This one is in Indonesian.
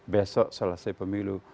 besok selesai pemilu